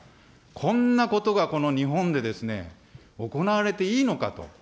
こんなことがこの日本で行われていいのかと。